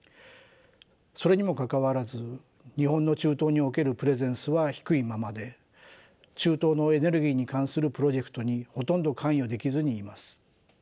それにもかかわらず日本の中東におけるプレゼンスは低いままで中東のエネルギーに関するプロジェクトにほとんど関与できずにいます。